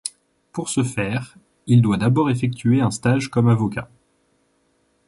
Pour ce faire, il doit d'abord effectuer un stage comme avocat.